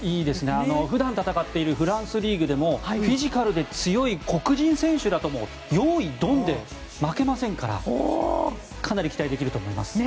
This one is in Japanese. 普段戦っているフランスリーグでもフィジカルで強い黒人選手らともよーいドンで負けませんからかなり期待できると思います。